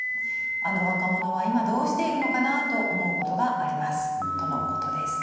あの若者は今どうしているのかなと思うことがあります」とのことです。